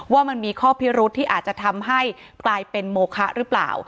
ว่ามันมีข้อพิรุธที่อาจจะทำให้กลายเป็นโมคะหรือเปล่า